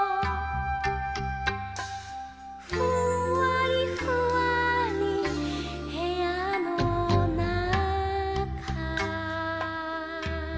「ふんわりふわーりへやのなか」